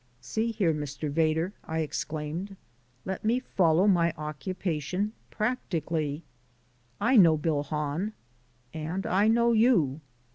"See here, Mr. Vedder," I exclaimed, "let me follow my occupation practically. I know Bill Hahn and I know you.